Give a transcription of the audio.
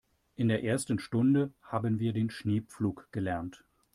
In der ersten Stunde haben wir den Schneepflug gelernt.